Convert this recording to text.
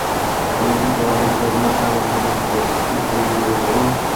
আমি কি তোমাদের জন্য তাঁর অনুরূপ প্রতিকৃতি তৈরি করে দেব?